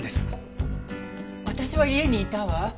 私は家にいたわ。